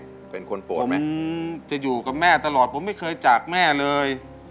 ตอนเด็กเป็นไงเป็นคนโปรดไหมผมจะอยู่กับแม่ตลอดผมไม่เคยจะจากแม่เลย